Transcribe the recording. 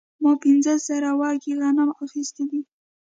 ما پنځه زره وږي غنم اخیستي دي